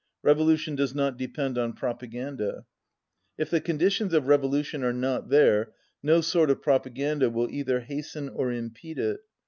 Revo lution does not depend on propaganda. If the conditions of revolution are not there no sort of propaganda will either hasten or impede it.